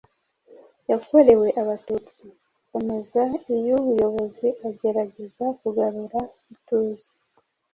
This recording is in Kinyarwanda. yakorewe Abatutsi akomeza iy’ubuyobozi agerageza kugarura ituze